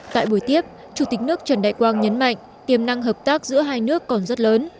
tại buổi tiếp chủ tịch nước trần đại quang nhấn mạnh tiềm năng hợp tác giữa hai nước còn rất lớn